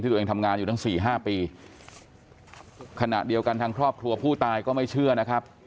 ตัวเองทำงานอยู่ตั้งสี่ห้าปีขณะเดียวกันทางครอบครัวผู้ตายก็ไม่เชื่อนะครับ